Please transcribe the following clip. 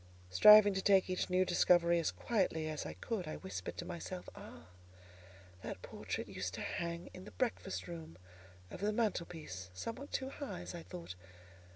Striving to take each new discovery as quietly as I could, I whispered to myself— "Ah! that portrait used to hang in the breakfast room, over the mantel piece: somewhat too high, as I thought.